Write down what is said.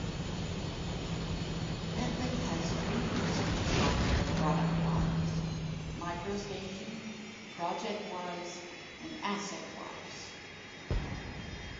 Bentley has three principal software product lines: MicroStation, ProjectWise, and AssetWise.